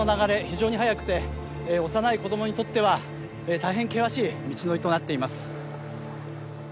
非常に速くて幼い子どもにとっては大変険しい道のりとなっています